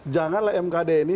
janganlah mkd ini